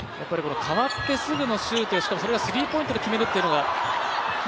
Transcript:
代わってすぐのシュートしかもそれをスリーポイントで決めるっていうのが。